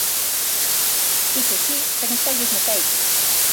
Iso si, sen espellos no teito.